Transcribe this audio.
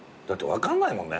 分かんないっすね。